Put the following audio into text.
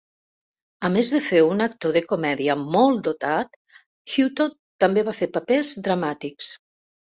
A més de fer un actor de comèdia molt dotat, Hutton també va fer papers dramàtics.